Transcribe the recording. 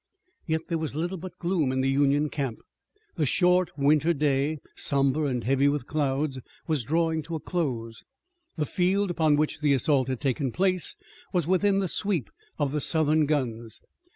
Yet there was little but gloom in the Union camp. The short winter day, somber and heavy with clouds, was drawing to a close. The field upon which the assault had taken place was within the sweep of the Southern guns.